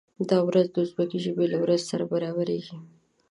دا ورځ د ازبکي ژبې له ورځې سره برابریږي.